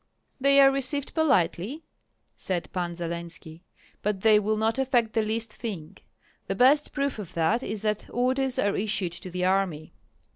"They are received politely," said Pan Zalenski, "but they will not effect the least thing; the best proof of that is that orders are issued to the army."